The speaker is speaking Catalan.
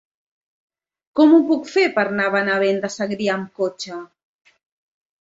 Com ho puc fer per anar a Benavent de Segrià amb cotxe?